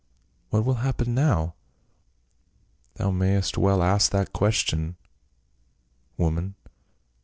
"What will happen now?" " Thou mayst well ask that question, woman